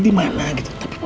di rumah sakit udah lama